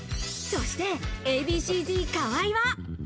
そして、Ａ．Ｂ．Ｃ−Ｚ河合は。